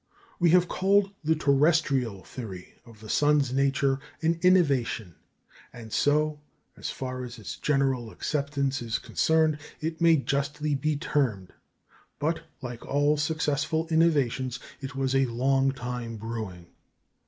We have called the "terrestrial" theory of the sun's nature an innovation, and so, as far as its general acceptance is concerned, it may justly be termed; but, like all successful innovations, it was a long time brewing.